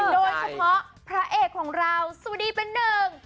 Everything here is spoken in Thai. โดยเฉพาะพระเอกของเราสวัสดีเป็นหนึ่ง